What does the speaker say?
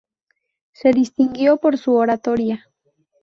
Se distinguió por su oratoria.